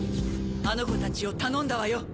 あの子たちを頼んだわよ。